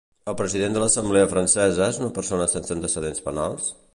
El president de l'Assemblea Francesa és una persona sense antecedents penals?